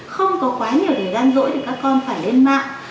không có quá nhiều thời gian rỗi thì các con phải lên mạng